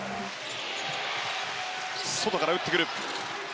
外から打ってくる。